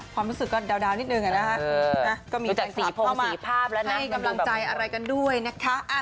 ความรู้สึกก็ดาวนิดนึงนะคะก็มีใจสีเข้ามาให้กำลังใจอะไรกันด้วยนะคะ